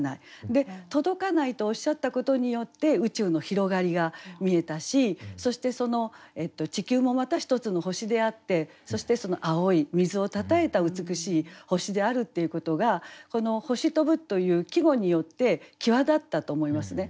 で届かないとおっしゃったことによって宇宙の広がりが見えたしそして地球もまた一つの星であってそして青い水をたたえた美しい星であるっていうことがこの「星飛ぶ」という季語によって際立ったと思いますね。